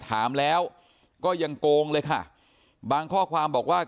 ถามแล้วก็ยังโกงเลยค่ะบางข้อความบอกว่า